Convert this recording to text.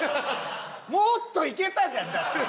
もっといけたじゃんだって。